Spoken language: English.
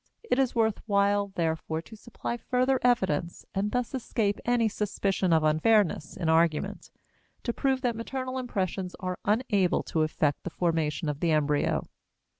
It is worth while, therefore, to supply further evidence, and thus escape any suspicion of unfairness in argument, to prove that maternal impressions are unable to affect the formation of the embryo.